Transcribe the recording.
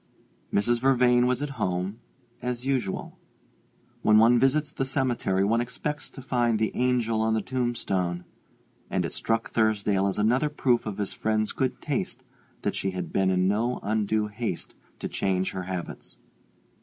Mrs. Vervain was at home as usual. When one visits the cemetery one expects to find the angel on the tombstone, and it struck Thursdale as another proof of his friend's good taste that she had been in no undue haste to change her habits.